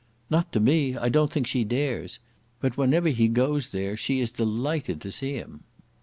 "Not to me; I don't think she dares. But whenever he goes there she is delighted to see him."